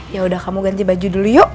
yaudah kamu ganti baju dulu yuk